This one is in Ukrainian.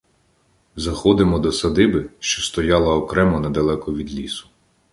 Заходимо до садиби, що стояла окремо недалеко від лісу.